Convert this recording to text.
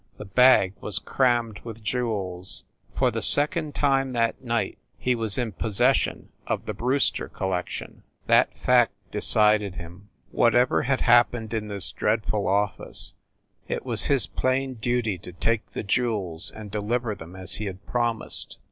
The bag was crammed with jewels ! For the sec ond time, that night he was in possession of the Brewster collection. That fact decided him. What ever had happened in this dreadful office, it was his plain duty to take the jewels, and deliver them as he had promised.